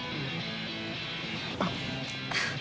あっ。